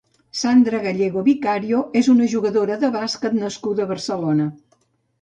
Sandra Gallego Vicario és una jugadora de bàsquet nascuda a Barcelona.